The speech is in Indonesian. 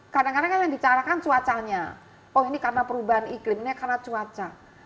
kadang kadang kan yang dicarakan cuacanya oh ini karena perubahan iklim ini karena cuaca